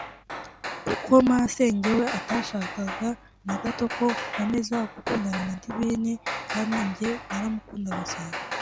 Kuko Masenge we atashakaga na gato ko nkomeza gukundana na Divine kandi njye naramukundaga cyane